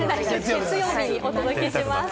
月曜日にお届けします。